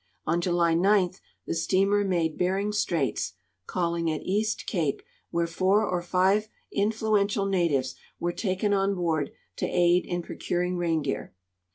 On July 9 the steamer made Bering straits, calling at East cape, where four or flve influential natives were taken on board to aid in procuring reindeer.